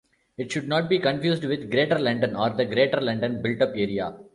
It should not be confused with Greater London or the Greater London Built-up Area.